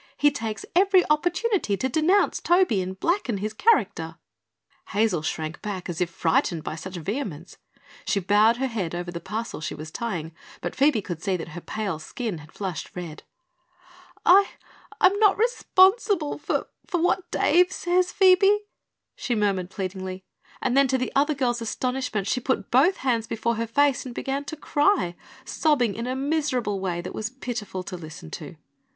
"He takes every opportunity to denounce Toby and blacken his character." Hazel shrank back as if frightened by such vehemence. She bowed her head over the parcel she was tying, but Phoebe could see that her pale skin had flushed red. "I I'm not responsible for for what Dave says, Phoebe," she murmured pleadingly; and then to the other girl's astonishment she put both hands before her face and began to cry, sobbing in a miserable way that was pitiful to listen to.